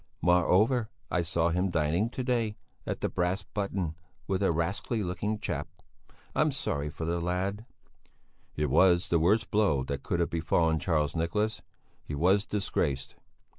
Moreover, I saw him dining to day at the 'Brass Button' with a rascally looking chap. I'm sorry for the lad." It was the worst blow that could have befallen Charles Nicholas. He was disgraced.